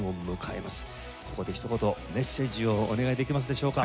ここでひと言メッセージをお願いできますでしょうか？